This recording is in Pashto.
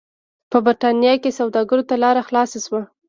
په برېټانیا کې سوداګرو ته لار خلاصه شوه.